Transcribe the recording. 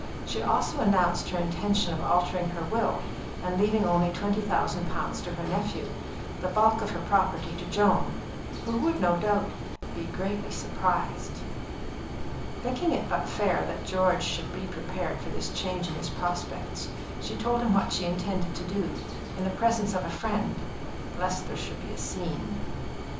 She also announced her intention of altering her will, and leaving only twenty thousand pounds to her nephew, the bulk of her property to Joan, "who would no doubt be greatly surprised." Thinking it but fair that George should be prepared for this change in his prospects, she told him what she intended to do, in the presence of a friend, lest there should be a scene.